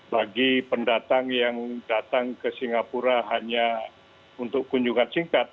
bagi pendatang yang datang ke singapura hanya untuk kunjungan singkat